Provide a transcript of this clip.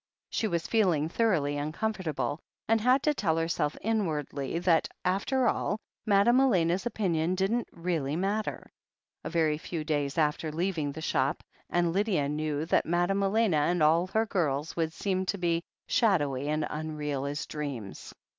She was feeling thoroughly uncomfortable, and had to tell herself inwardly that, after all, Madame Elena's opinion didn't really matter. A very few days after leaving the shop, and Lydia knew that Madame Elena and all her girls would seem to be shadowy and unreal as dreams.